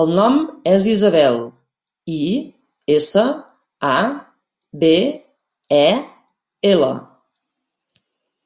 El nom és Isabel: i, essa, a, be, e, ela.